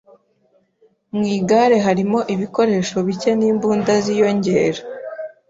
Mu igare harimo ibikoresho bike n'imbunda ziyongera.